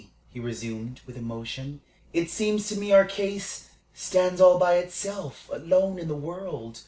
he resumed, with emotion. "It seems to me our case stands all by itself, alone in the world.